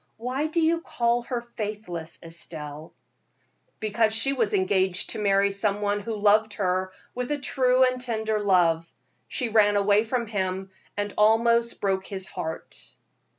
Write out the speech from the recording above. "Why do you call her faithless, Estelle?" "Because she was engaged to marry some one who loved her with a true and tender love. She ran away from him, and almost broke his heart."